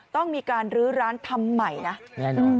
ต้องมีการลื้อร้านทำใหม่นะแน่นอน